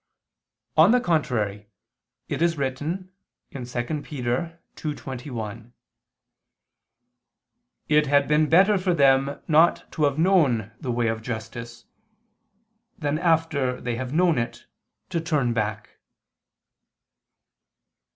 On the contrary, It is written (2 Pet. 2:21): "It had been better for them not to have known the way of justice, than after they have known it, to turn back."